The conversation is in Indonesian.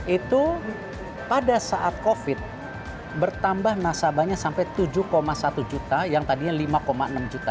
itu pada saat covid bertambah nasabahnya sampai tujuh satu juta yang tadinya lima enam juta